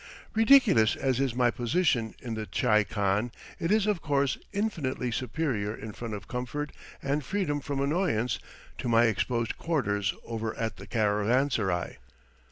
Ridiculous as is my position in the tchai khan, it is, of course, infinitely superior in point of comfort and freedom from annoyance, to my exposed quarters over at the caravanserai.